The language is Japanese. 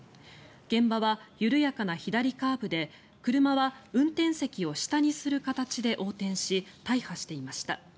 現場は緩やかな左カーブで車は運転席を下にする形で横転し大破していました。